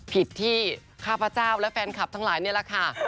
ผิดที่ข้าพเจ้าและแฟนคลับทั้งหลายนี่แหละค่ะ